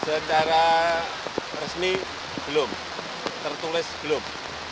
secara resmi belum tertulis belum